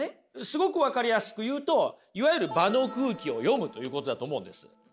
すごく分かりやすく言うといわゆる場の空気を読むということだと思うんです。